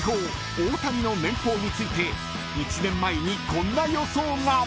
大谷の年俸について１年前にこんな予想が］